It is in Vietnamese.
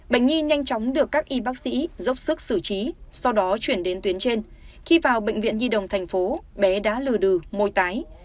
bệnh nhi nhanh chóng được các y bác sĩ dốc sức xử trí sau đó chuyển đến tuyến trên khi vào bệnh viện nhi đồng thành phố bé đã lừa đừ môi tái